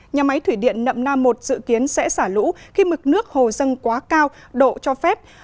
nhà máy thủy điện nậm nam một dự kiến sẽ xả lũ khi mực nước hồ dâng quá cao độ cho phép